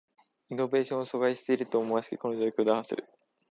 イノベーションを阻害していると思しきこの状況を打破する